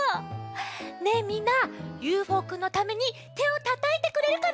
ねえみんなＵＦＯくんのためにてをたたいてくれるかな？